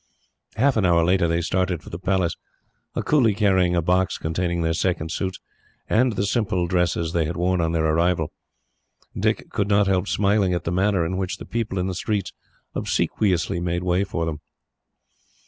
Half an hour later they started for the Palace, a coolie carrying a box containing their second suits, and the simple dresses they had worn on their arrival. Dick could not help smiling, at the manner in which the people in the streets obsequiously made way for them.